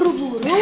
loh kok buru buru